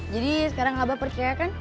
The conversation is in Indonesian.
jadi sekarang abah percaya kan